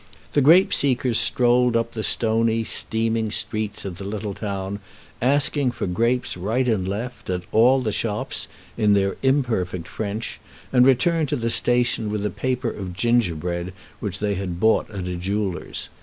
The grape seekers strolled up the stony, steaming streets of the little town, asking for grapes right and left, at all the shops, in their imperfect French, and returned to the station with a paper of gingerbread which they had bought at a jeweller's.